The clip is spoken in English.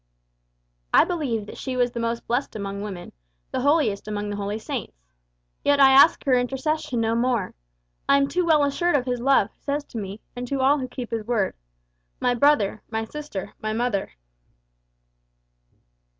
"I believe that she was the most blessed among women, the holiest among the holy saints. Yet I ask her intercession no more. I am too well assured of His love who says to me; and to all who keep his word, 'My brother, my sister, my mother.